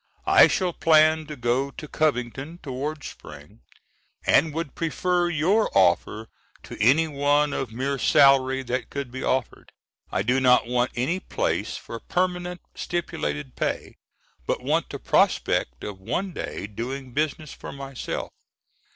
I shall plan to go to Covington towards Spring, and would prefer your offer to any one of mere salary that could be offered. I do not want any place for permanent stipulated pay, but want the prospect of one day doing business for myself.